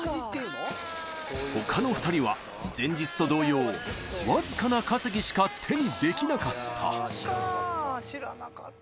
他の２人は前日と同様わずかな稼ぎしか手にできなかった知らなかった。